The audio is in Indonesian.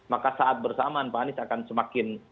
maka saat bersamaan pak anies akan semakin